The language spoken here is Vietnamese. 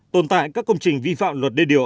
tồn tại các công trình vi phạm luật đê điều